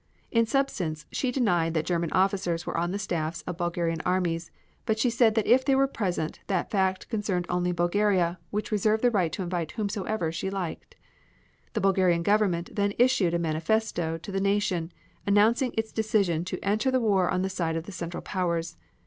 In substance she denied that German officers were on the staffs of Bulgarian armies, but said that if they were present that fact concerned only Bulgaria, which reserved the right to invite whomsoever she liked. The Bulgarian Government then issued a manifesto to the nation, announcing its decision to enter the war on the side of the Central Powers.